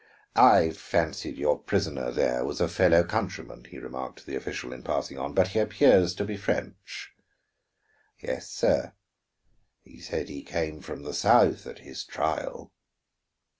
"I fancied your prisoner there was a fellow countryman," he remarked to the official, in passing on. "But he appears to be French." "Yes, sir. He said he came from the South, at his trial."